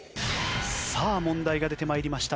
さあ問題が出て参りました。